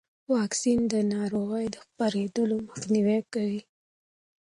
واکسن د ناروغۍ د خپرېدو مخنیوی کوي.